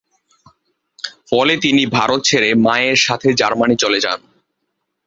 ফলে তিনি ভারত ছেড়ে মায়ের সাথে জার্মানি চলে যান।